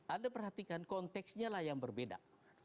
anda perhatikan konteksnya lah yang berbeda